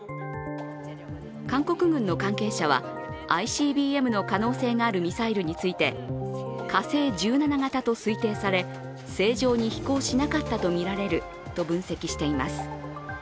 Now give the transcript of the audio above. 韓国軍の関係者は、ＩＣＢＭの可能性があるミサイルについて火星１７型と推定され、正常に飛行しなかったとみられると分析しています。